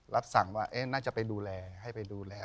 รับสั่งว่าน่าจะไปดูแลให้ไปดูแล